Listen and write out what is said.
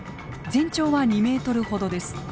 全長は２ｍほどです。